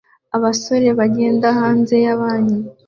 Abasore bagenda hanze ya banki